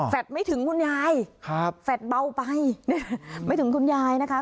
แฟดไม่ถึงคุณยายแฟดเบาไปไม่ถึงคุณยายนะคะ